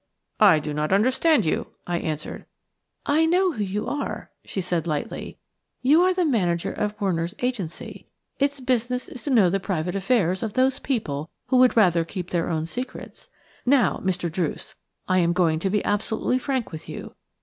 "I do not understand you," I answered. "I know who you are," she said, lightly. "You are the manager of Werner's Agency; its business is to know the private affairs of those people who would rather keep their own secrets. Now, Mr. Druce, I am going to be absolutely frank with you.